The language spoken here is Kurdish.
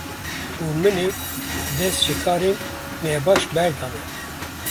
û min ê dest ji karên nebaş berdana.